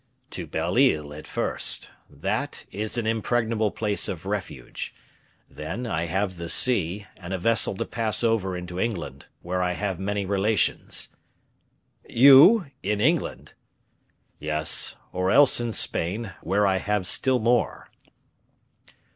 "To Belle Isle, at first. That is an impregnable place of refuge. Then, I have the sea, and a vessel to pass over into England, where I have many relations." "You? in England?" "Yes, or else in Spain, where I have still more."